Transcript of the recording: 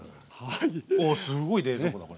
おっすごい冷蔵庫だね。